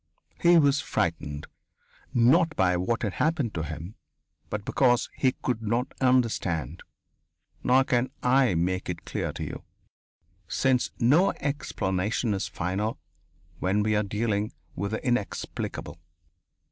He was frightened, not by what had happened to him, but because he could not understand. Nor can I make it clear to you, since no explanation is final when we are dealing with the inexplicable....